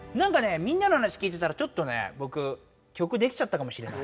みんなの話聞いてたらちょっとねぼく曲できちゃったかもしれない。